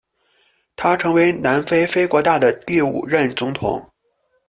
他成为南非非国大的第五任总统。